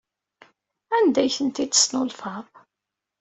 Anda ay ten-id-tesnulfaḍ?